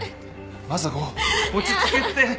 雅子落ち着けって。